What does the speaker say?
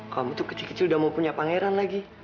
kamu tuh kecil kecil udah mau punya pangeran lagi